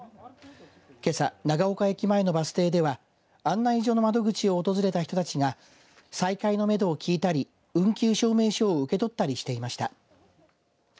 けさ、長岡駅前のバス停では案内所の窓口を訪れた人たちが再開のめどを聞いたり運休証明書を受け取ったりしていました。